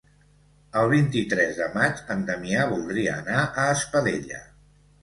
El vint-i-tres de maig en Damià voldria anar a Espadella.